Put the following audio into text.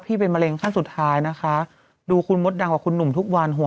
เป็นมะเร็งขั้นสุดท้ายนะคะดูคุณมดดำกับคุณหนุ่มทุกวันหัว